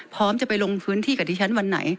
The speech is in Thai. พร้อมจะไปลงพื้นที่กับดิฉันวันไหน